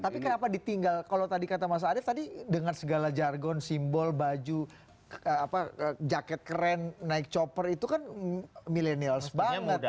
tapi kenapa ditinggal kalau tadi kata mas arief tadi dengan segala jargon simbol baju jaket keren naik chopper itu kan millennials banget